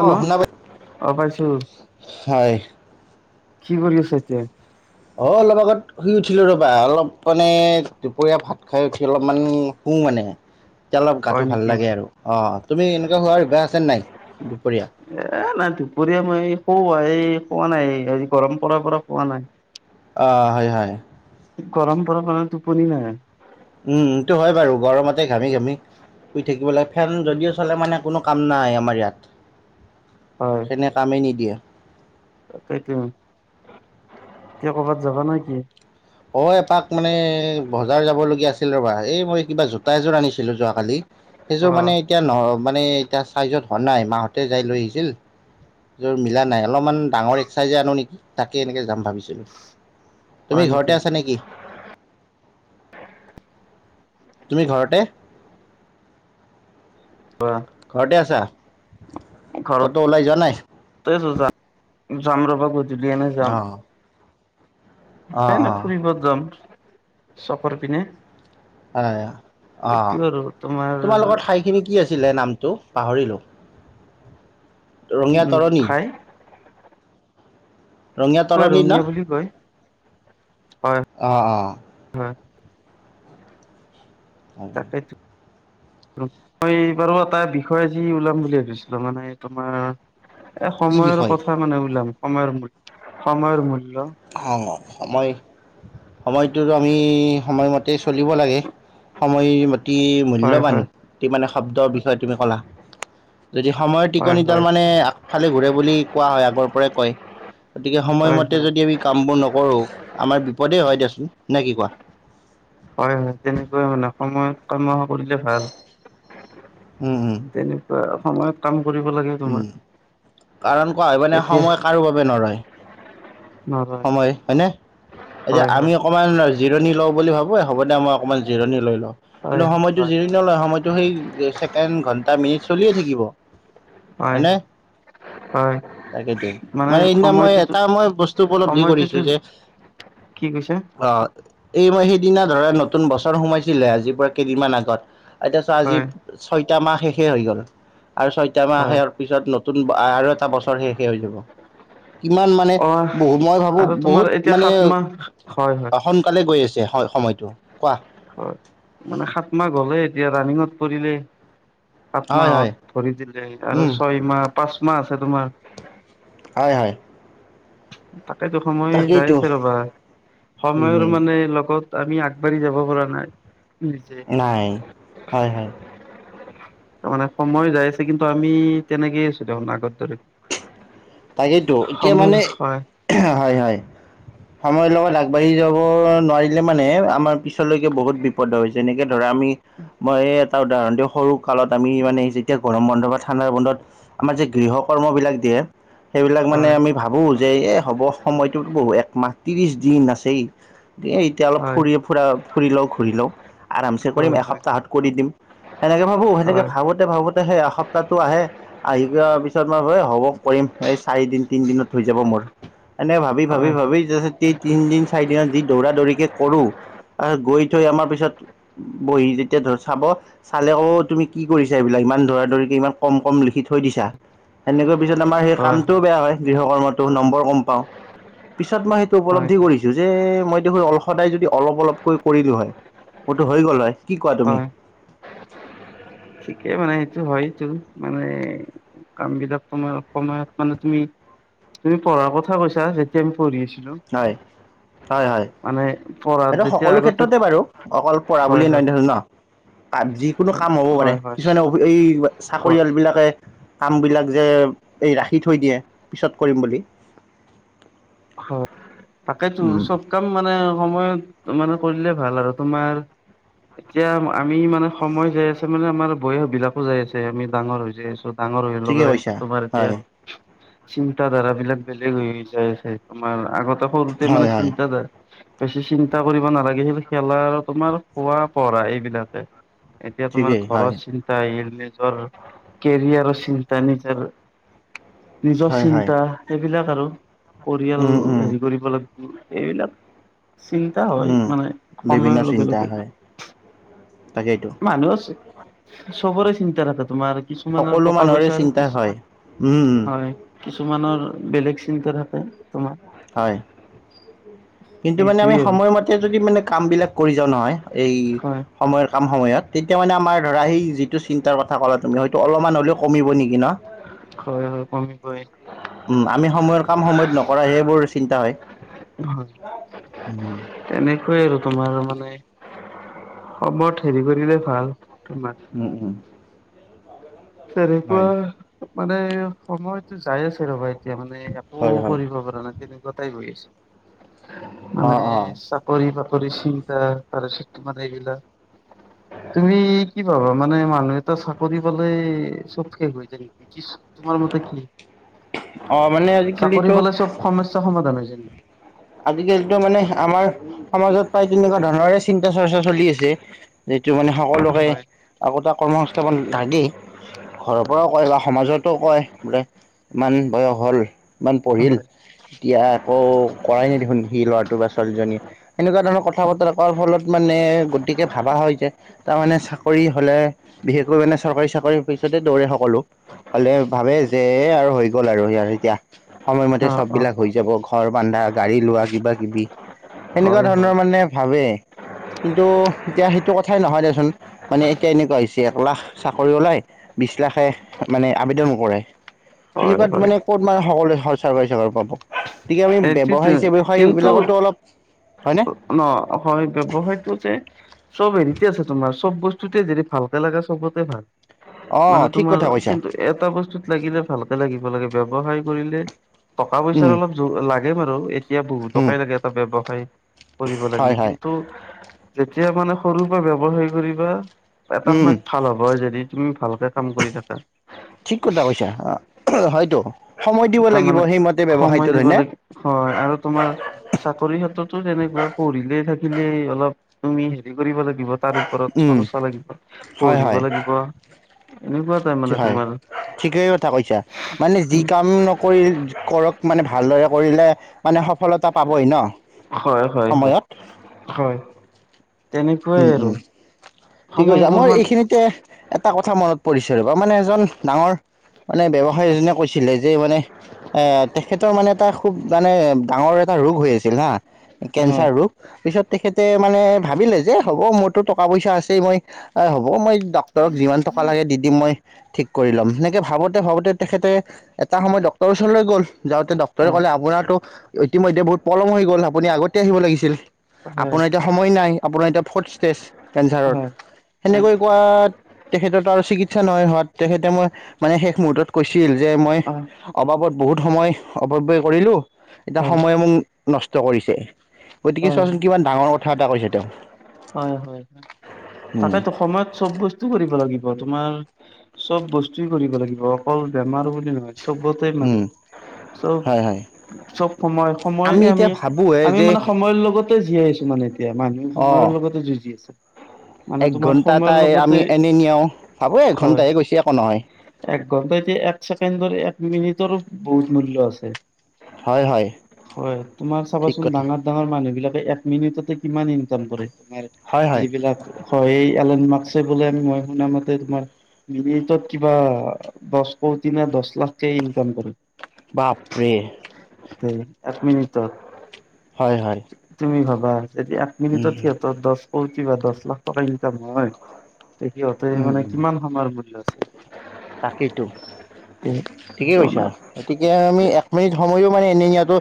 আ অ নহ' শুনা পাই অ', পাইছোঁ। হয় কি কৰি আছা এতিয়া? অ', অলপ আগত শুই উঠিলো ৰ'বা অলপ মানে দুপৰীয়া ভাত খাই উঠি অলপমান শু মানে। এতিয়া অলপ গাটো হয় ভাল নেকি লাগে আৰু অ', তুমি এনেকুৱা শুৱাৰ অভ্যাস আছে নে নাই দুপৰীয়া? এ নাই দুপৰীয়া মই শু, এই শুৱা নাই এই গৰম পৰাৰ পৰা শুৱা নাই। অ', হয়, হয়। গৰম পৰাৰ পৰা টোপনি নাহে। উম এইটো হয় বাৰু, গৰমতে ঘামি যামি শুই থাকিব লাগে, ফেন যদিও চলে মানে কোনো কাম নাই আমাৰ ইয়াত। ফেনে কামেই নিদিয়ে। তাকেইটো এতিয়া ক'বাত যাবা না কি? অ', এপাক মানে বজাৰ যাব লগগীয়া আছিল ৰ'বা, এই মই কিবা জোতা এযোৰ আনিছিলো যোৱাকালি। অ সেইযোৰ মানে এতিয়া ন' মানে এতিয়া চাইজত হোৱা নাই মাহঁতে যায় লৈ আহিছিল। যোৰ মিলা নাই, অলপমান ডাঙৰ একচাইজে আনো নেকি তাকে এনেকে যাম। [unintelligible] হয় তুমি নেকি ঘৰতে আছা নে কি? তুমি ঘৰতে ঘৰতে আছা? ঘৰত ক'তো ওলাই যোৱা নাই [unintelligible] যাম ৰ'বা। গধূলি এনে যাম। অঁ অঁ এই মই অঁ ফুৰিব যাম চফৰ পিনে। অ' এইটো অ' আৰু তোমাৰ তোমালোকৰ ঠাইখিনি কি আছিল? কৈছিলে নামটো পাহৰিলোঁ। উম, ৰঙীয়া তৰণী ফ্ৰাই ৰঙিয়া তৰলী ন ৰঙীয়া বুলি কয় হয় অ' অ'। হয়। হয়। তাকেইতো মই এইবাৰু এটা বিষয় আজি ওলাম বুলি ভাবিছিলোঁ মানে তোমাৰ কি এসময়ৰ বিষয় কথা মানে ওলাব সময়ৰ মূল সময়ৰ মূল্য অ সময় সময়টোতো আমি সময়মতে চলিব লাগে সময়মতে অতি হয় মূল্যৱান হয় অ মানে শব্দৰ বিষয়ে তুমি ক'লা। যদি সময়ৰ হয় টিকনি তাৰ হয় মানে আগফালে ঘূৰে বুলি কোৱা হয়। আগৰ পৰাই কয় গতিকে হয় সময়মতে হয় যদি আমি কাম বোৰ নকৰো আমাৰ বিপদেই হয় দিয়াচোন নাই কি কোৱা? হয় হয় তেনেকুৱাই মানে সময়ত কাম কৰিলে ভাল। উম, উম, তেনেকুৱা সময়ত। কাম কৰিব লাগে উম তোমাৰ কাৰণ কোৱা হয় মানে তেতিয়া সময় কাৰো বাবে নৰয়। নহয় সময় হয়নে, এতিয়া হয় আমি হয় অকণমান জিৰণি লওঁ বুলি ভাবো হ'ব দে মই অকণমান জিৰণ লৈ লওঁ হয় কিন্তু সময়তটো জিৰণি হয় নলয় টো সেই ছেকেণ্ড ঘন্টা মিনিট চলিয়ে থাকিব। হয় হয়। হয় তাকেইতো মানে সেইদিনা মই এটা মই বস্তু উপলব্ধি কৰিছো সময়টোতো যে- কি কৈছে অ। এই মই সেইদিনা ধৰা নতুন বছৰ সোমাইছিলে আজিৰ পৰা কেইদিনমান আগত। এতিয়া আজি হয় ছয়টা মাহ শেষে হৈ গ'ল আৰু ছয় টা‌ হয় মাহৰ পিছত নতুন আৰু এটা বছৰ শেষে হৈ যাব। কিমান মানে অ বহু মই ভাবো আৰু তোমাৰ বহুত এতিয়া মানে সাত মাহ হয় হয় সোনকালে গৈ আছে সময়ত। হয় মানে সাত মাহ গলে এতিয়া ৰাণিঙত পৰিলে। সাত হয় হয় মাহত ভৰি দিলে আৰু উম, ছয় মাহ পাঁচ মাহ আছে তোমাৰ। হয় হয়। তাকেইতো সময় যাই তাকেইতো আছে ৰবা, সময়ৰ উম, মানে লগত আমি আগবাঢ়ি যাব পৰা নাই। নিজে নাই হয় হয়। তাৰ মানে সময়ো যাই আছে কিন্তু আমি তেনেকেই আছো দেখোন আগত দৰে। তাকেইেতো এতিয়া সম্ভাল মানে হয় হয় হয়- সময়ৰ লগত আগবাঢ়ি যাব নোৱাৰিলে মানে আমাৰ পিছলৈকে বহুত বিপদ হৈ যেনেকে ধৰা আমি মই টা উদাৰণ দিও সৰু কালত আমি মানে যেতিয়া গৰম বন্ধ বা ঠাণ্ডাৰ বন্ধত আমাৰ যে গৃহ কৰ্মবিলাক দিয়ে সেইবিলাক মানে হয় আমি ভাবোঁ যে এই হ'ব সময়টোত বহু একমাহ ত্ৰিশ দিন আছেই এ এতিয়া অলপ হয় ফুৰি ফুৰা ফুৰি লওঁ ঘূৰি লওঁ আৰামচে কৰিম হয় হয় এসপ্তাহত কৰি দিম। সেনেকে ভাবো সেনেকে হয় ভাবোতে ভাবোতে সেই এসপ্তাহটো আহে আহি যোৱাৰ পিছত মই হ'ব কৰিম এই চাৰিদিন তিন দিনত হৈ যাব মোৰ। এনে ভাবি ভাবি হয় হয় ভাবি তিনদিন চাৰি দিনত যি দৌৰা দৌৰিকে কৰো। তাপিছত গৈ থৈ আমাৰ পিছত বহি যেতিয়া ধৰ চাব চালে অ তুমি কি কৰিছা এইবিলাক ইমান ধৰা ধৰিকে ইমান কম কম লিখি থৈ দিছা সেনেকৈ পিছত আমাৰ সেই হয় কামটোও বেয়া হয় গৃহ কৰ্মতো নম্বৰ কম পাওঁ। পিছত মই সেইটো হয় উপলব্ধি হয় কৰিছো যে মই অল সদায় যদি অলপ অলপকৈ কৰিলো হয় মতো হৈ গ'ল হয় কি কোৱা তুমি? হয় ঠিকেই মানে এইটো হয়তো মানে কাম বিলাক সময়ত সময়ত মানে তুমি তুমি পঢ়াৰ কথা কৈছা যেতিয়া আমি পঢ়ি আছো হেল্ল' হয় হয় হয় এইটো যেতিয়া সকলো আগতে ক্ষেত্ৰতে বাৰু অকল পঢ়া হয় বুলিয়েই হয় নহয় দেচোন ন। যিকোনো কাম হ'ব পাৰে হয় হয় কিছুমানে অ এই হয় চাকৰিয়াল বিলাকে কামবিলাক যে এই ৰাখি থৈ দিয়ে পিছত কৰিম বুলি। হয় তাকেই তো উম চব কাম মানে সময়ত মানে কৰিলে ভাল আৰু তোমাৰ এতিয়া আমি মানে সময় যাই আছে মানে আমাৰ বয়স বিলাকো যাই আছে আমি ডাঙৰ হৈ যায় আছো। ডাঙৰ হৈ ঠিকে লগাই কৈছা তোমাৰ এতিয়া হয় চিন্তা ধাৰা বিলাক বেলেগ হৈ হৈ যায় আছে। তোমাৰ আগতে সৰুতে মানে হয় হয় চিন্তাধাৰ বেছি চিন্তা কৰিব নালাগে, খেলা আৰু তোমাৰ খোৱা পঢ়া এইবিলাকে। এতিয়া তোমাৰ ঠিকেই হয় ঘৰৰ চিন্তা আহিলে নিজৰ কেৰিয়াৰৰ চিন্তা নিজৰ নিজৰ হয় হয় চিন্তা সেইবিলাক আৰু পৰিয়াল উম উম হেৰি কৰিব লাগি- এইবিলাক চিন্তা হয় উম মানে বিভিন্ন সময়ৰ লগে চিন্তা লগে হয় তাকেইতো মানুচে চবৰে চিন্তা থাকে তোমাৰ কিছুমানৰ সকলো টকা মানুহৰে পইচাৰ চিন্তা হয় উম উম হয় কিছুমানৰ বেলেগ চিন্তা থাকে তোমাৰ হয় কিন্তু মানে আমি এইটোয়ে আৰু সময়মতে যদি মানে কাম বিলাক কৰি যাওঁ নহয় এই হয় সময়ৰ কাম সময়ত তেতিয়া মানে আমাৰ ধৰা সেই যিটো চিন্তাৰ কথা ক'লা তুমি হয়তো অলপমান হ'লেও কমিব নেকি ন হয় হয় কমিবই উম আমি সময়ৰ কাম সময়ত নকৰাহে চিন্তা হয় হয় উম, তেনেকৈয়ে আৰু তোমাৰ মানে হবত হেৰি কৰিলে ভাল তোমাৰ উম উম তেনেকুৱা হয়, মানে সময়তো যাই আছে ৰ'বা এতিয়া মানে একো হয়, হয়। কৰিব পাৰা নাই তেনেকুৱা টাইপ হৈ আছে মানে অ', অ', চাকৰি বাকৰি চিন্তা তাপিছত তোমাৰ এইগিলা তুমি কি ভাবা মানে মানুহেটো চাকৰি পালে চব শেষ হৈ যায় তোমাৰ মতে কি অ', মানে চাকৰি আজিকালিতো পালে চব সমস্যা সমাধান হৈ যাই নেকি আজিকালিতো মানে আমাৰ সমাজত প্ৰায় তেনেকুৱা ধৰণৰে চিন্তা -চৰ্চা চলি আছে য মানে সকলোকে হয়। আগতে কৰ্ম সংস্থাপন থাকি ঘৰৰ পৰাও কয় বা সমাজত কয় বোলে ইমান বয়স হ'ল ইমান পঢ়িল হয় এতিয়া আকৌ কৰাই দেখোন সি লৰাটো বা ছোৱালীজনী এনেকুৱা ধৰণৰ কথা বতৰা কৰোৱাৰ ফলত। মানে, গতিকে ভাবা হয় যে তাৰমানে চাকৰি হ'লে বিশেষকৈ মানে চৰকাৰী চাকৰি পইচা তাতে দৌৰে সকলো হ'লে ভাবে যে আৰু হৈ গ'ল আৰু এতিয়া সময়মতে অ চ'ব অ বিলাক হৈ যাব ঘৰৰ বন্ধা গাড়ী লোৱা কিবা কিবি সেনেকুৱা হয় হয় ধৰণৰ মানে ভাবে। [unintelligible] কিন্তু, এতিয়া সেইটো কথাই নহয় দেচোন মানে, এতিয়া এনেকুৱা হৈছে এক লাখ চাকৰি ওলাই বিশ একলাখে মানে আবেদনো কৰে। হয় তেনেকুৱাত হয় মানে ক'ত মানে সকলোৱে চৰকাৰ চাককাৰী চাকৰি পাব। গতিকে, আমি ব্যৱসায় চেব্যৱসায় বিলাকতো অলপ হয়নে? নহয় ব্যৱসায়টো যে চ'ব হেৰিতে আছে তোমাৰ চ'ব বস্তু যদি ভাল লাগা চবতে ভাল। অ' মানে ঠিক তোমাৰ কথা কৈছা। কিন্তু এটা বস্তুত লাগিলে ভালকে লাগিব লাগে। ব্যৱসায় কৰিলে টকা পইচাৰ উম, অলপ যোৰ লাগে বাৰু। এতিয়া উম, বহুটকাই লাগে এটা ব্যৱসায় কৰিব হয়, লাগিলে। হয়, কিন্তু, যেতিয়া মানে সৰুৰে পৰা ব্যৱসায় কৰিবা এটা উম, উম, সময়ত ভাল হ'ব। যদি তুমি ভালকে কাম কৰি থাকা। ঠিক কথা কৈছা। অ' হয়তো সময় দিব লাগিব তাৰমানে সেইমতে। সময় ব্যৱসায়টোত দিব হয়নে? লাগে হয় আৰু তোমাৰ চাকৰি ক্ষেত্ৰতো তেনেকুৱা পঢ়িলে থাকিলে অলপ তুমি হেৰি কৰিব লাগিব, তাৰ ওপৰত উম, চৰ্চা লাগিব, হয়, হয়, পঢ়িব লাগিব। এনেকুৱা তাৰ মানে হয়, তোমাৰ ঠিকেই কথা কৈছা মানে যি কামে কাম নকৰি কৰক মানে ভালদৰে কৰিলে মানে সফলতা পাবই ন হয়, হয়, সময়ত। হয় তেনেকুৱাই উম, উম। আৰু ঠিক কৈছা, সময়বোৰ মই মান এইখিনিতে এটা কথা মনত পৰিছে ৰব মানে এজন ডাঙৰ মানে ব্য্ৱসায় এজনে কৈছিলে যে যে মানে এ তেখেতৰ মানে এটা খুব মানে ডাঙৰ এটা ৰোগ হৈ আছিল হা। হয় কেঞ্চাৰ ৰোগ। পিছত তেখেতে মানে ভাবিলে যে হ'ব, মোৰতো টকা পইচা আছেই, মই হ'ব মই ডক্টৰক যিমান টকা লাগে দি দিম মই। ঠিক কৰি ল'ম। সেনেকে ভাবোঁতে - ভাবোঁতে তেখেতে এটা সময়ত ডক্টৰৰ ওচৰলৈ গ'ল। যাওঁতে ডক্টৰে হয় ক'লে, আপোনাৰটো ইতিমধ্যে বহুত পলম হৈ গ'ল। আপুনি আগতে আহিব লাগিছিল। হয় আপোনাৰ এতিয়া সময় নাই। আপোনাৰ এতিয়া ফৰ্থ ষ্টেজ কেঞ্চাৰৰ। হয় হয় সেনেকৈ কোৱাত তেখেততো আৰু চিকিৎসা নহয় হোৱাত তেখেতে মই মানে শেষ মুহুৰ্তত কৈছিল যে মই অ অবাব ত বহুত সময় অপব্য় কৰিলো। এতিয়া সময়ে মোক নষ্ট কৰিছে। গতিকে হয় চোৱাচোন কিমান ডাঙৰ কথা এটা কৈছে তেওঁ। হয় - হয় - হয়। উম, তাকেতো, সময়ত চব বস্তু কৰিব লা গিব। তোমাৰ চব বস্তুৱে কৰিব লাগিব, অকল বেমাৰ বুলি নহয়। চবতেই মানু। উম, চব- হয় হয় চব সময়- সময়ে এতিয়া আমি- ভাবোঁহে আমি যে মানে সময়ৰ ল লগতে জীয়াই আহিছোঁ মানে এতিয়া, মানুহে সময়ৰ অঁ লগতে যুঁজি আছে। মানে এক তোমাৰ ঘন্টা তা সময়ৰ আমি লগতে এনেই নিয়াও। ভাবো একঘন্টা হয় হে গৈছে, একো নহয়। এক ঘন্টাইদি এক ছেকেণ্ডৰ এক মিনিটৰো বহুত মূল্য আছে। হয় হয় হয়, তোমাৰ ঠিক চাবাচোন কথা ডাঙাৰ মানুহবিলাকে এক মিনিটতে কিমান ইনকাম কৰে, তোমাৰ হয় হয় যিবিলাক হয় এই এলেন মাক্সে বোলে মই শুনা মতে তোমাৰ মিনিটত কিবা দশ কোটি নে দশ লাখকে ইনকাম কৰে। বাপৰে হয়, এক মিনিটত। হয় - হয়। বাছ এতিয়া এক মিনিটত উম, সিহঁতৰ দশ কোটি বা দশ লাখ টকা ইনকাম হয় তে সিহঁতে মানে কিমান সময়ৰ মূল্য আছে? তাকেইটো তে ঠিকেই কৈছা তেওঁলোক গতিকে আমি এক মিনিট সময়ো মানে এনেই ইায়াতো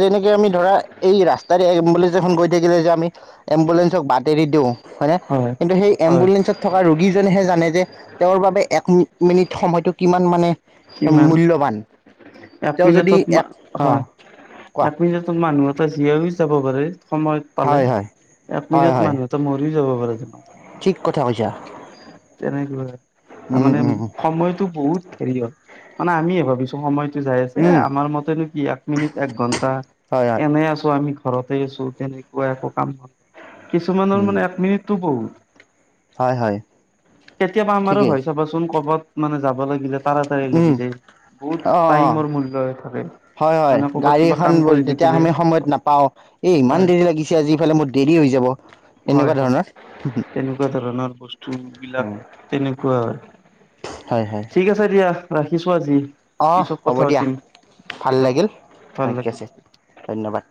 যেনেকে আমি ধৰা এই ৰাস্তাৰে এম্বুলেঞ্চ এখন গৈ [inaudible] থাকিলে যে আমি এম্বুলেঞ্চক বাট এৰি দিওঁ হয় ন কিন্তু সেই হয় এম্বুলেন্ঞ্চত থকা ৰোগীজনেহে জানে যে তেওঁৰ বাবে এক মিনি মিনিট সময়টো কিমান মানে কিমান মূল্যবান এক মিনটত হয় কোৱা এক মিনিটত মানুহ এটা জীয়াইও যাব পাৰে সময়ত পালে হয় হয় এক হয় মিনিট হয় মানুহ এটা মৰিও যাব পাৰে জ ঠিক কথা কৈছা তেনেকুৱা তাৰ উম মানে উম সময়টো বহুত হেৰি হ'ল মানে আমি ভাবিছো সময়ত যাই আছে উম আমাৰ মতে নো কি এক মিনিট এক ঘন্টা হয় হয় এনে আছো আমি ঘৰতে আছো তেনেকুৱা একো কাম কিছুমানৰ উম মানে এক মিনিটটো বহুত হয় হয় কেতিয়াবা আমাৰো ঠিকেই হয় চাবাচোন কৰবাত মানে যাব লাগিলে তাৰাতাৰি উম লাগি যায় বহুত অ অ টাইমৰ মূল্য হৈ থাকে হয় হয় মানে ক'বাত গাড়ী কিবা এখন কাম ব কৰি যেতিয়া থাকিলে আমি সময়ত নাপাও এই ইমান হয় দেৰি লাগিছে আজি ইফালে মোৰ দেৰি হৈছে যাব হয় এনেকুৱা হয় ধৰণৰ তেনেকুৱা ধৰণৰ বস্তু বিলাক তেনেকুৱা হয় ঠিক আছে দিয়া ৰাখিছো আজি অঁ পিছত হ'ব কথা দিয়া পাতিম ভাল দিয়া লাগিল ভাল থিক লাগিল আছে ধন্যবাদ